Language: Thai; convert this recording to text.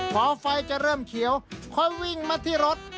พอไฟจะเริ่มเขียวค่อยวิ่งมาที่รถ